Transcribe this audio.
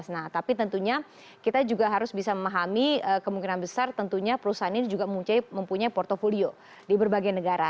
nah tapi tentunya kita juga harus bisa memahami kemungkinan besar tentunya perusahaan ini juga mempunyai portfolio di berbagai negara